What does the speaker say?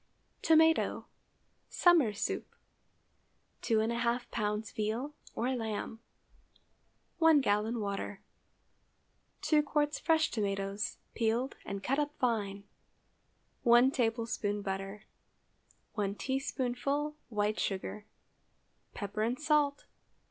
TOMATO (Summer soup). ✠ 2½ lbs. veal, or lamb. 1 gallon water. 2 qts. fresh tomatoes, peeled and cut up fine. 1 tablespoonful butter. 1 teaspoonful white sugar. Pepper and salt.